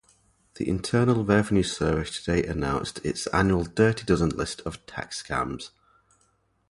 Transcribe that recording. The Internal Revenue Service today announced its annual Dirty Dozen list of tax scams.